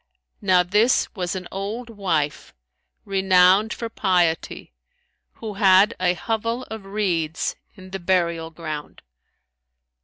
Now this was an old wife, renowned for piety, who had a hovel of reeds in the burial ground.